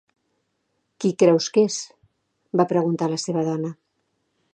"Qui creus que és?" va preguntar a la seva dona.